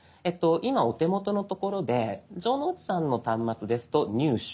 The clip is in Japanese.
今お手元の所で城之内さんの端末ですと「入手」。